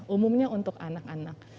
umumnya untuk anak anak